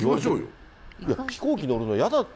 いや、飛行機乗るの嫌だって。